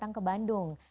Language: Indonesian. datang ke bandung